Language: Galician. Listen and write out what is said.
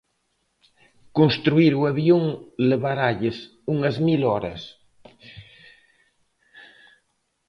Construír o avión levaralles unhas mil horas.